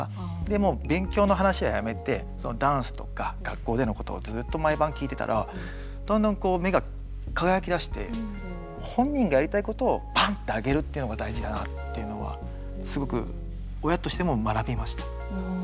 もう勉強の話はやめてそのダンスとか学校でのことをずっと毎晩聞いてたらだんだんこう目が輝きだして。というのが大事だなっていうのはすごく親としても学びました。